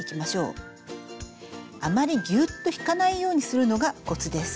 あまりギュッと引かないようにするのがコツです。